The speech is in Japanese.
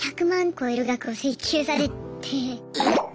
超える額を請求されて。